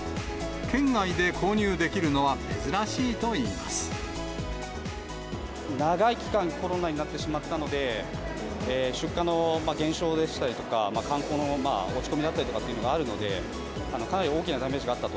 県外で購入できるのは珍しいとい長い期間、コロナになってしまったので、出荷の減少でしたりとか、観光の落ち込みだったりとかというのがあるので、かなり大きなダメージがあったと。